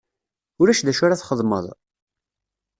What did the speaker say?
Ulac d acu ara txedmeḍ?